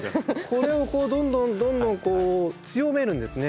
これをどんどんどんどん強めるんですね。